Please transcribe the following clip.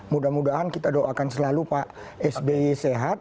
mudah mudahan kita doakan selalu pak sby sehat